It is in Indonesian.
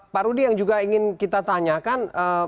pak rudy yang juga ingin kita tanyakan